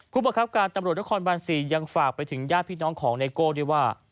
ประคับการตำรวจนครบาน๔ยังฝากไปถึงญาติพี่น้องของไนโก้ด้วยว่า